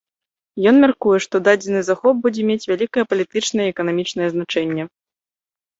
Ён мяркуе, што дадзены захоп будзе мець вялікае палітычнае і эканамічнае значэнне.